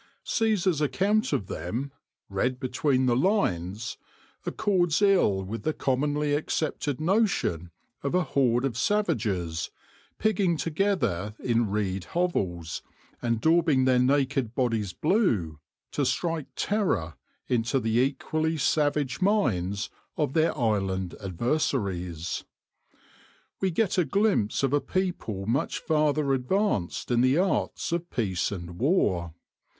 Caesar's B 14 THE LORE OF THE HONEY BEE account of them, read between the lines, accords ill with the commonly accepted notion of a horde of savages, pigging together in reed hovels, and daub ing their naked bodies blue to strike terror into the equally savage minds of their island adversaries. We get a glimpse of a people much farther advanced in the arts of peace and war.